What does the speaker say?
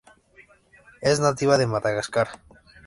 Es nativa de Madagascar.